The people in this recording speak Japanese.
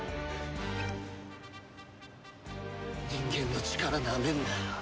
人間の力なめんなよ。